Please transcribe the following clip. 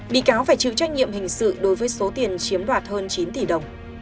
bị cáo phải chịu trách nhiệm hình sự đối với số tiền chiếm đoạt hơn chín tỷ đồng